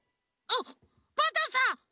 あっパンタンさん！？